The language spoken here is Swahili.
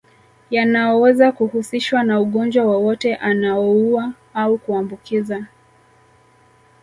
Yanaoweza kuhusishwa na ugonjwa wowote aunaoua au kuambukiza